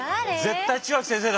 絶対血脇先生だ！